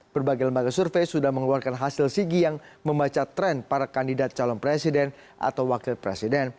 berbagai lembaga survei sudah mengeluarkan hasil sigi yang membaca tren para kandidat calon presiden atau wakil presiden